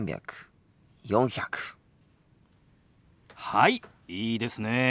はいいいですねえ。